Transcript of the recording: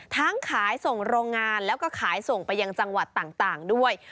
ขายส่งโรงงานแล้วก็ขายส่งไปยังจังหวัดต่างด้วย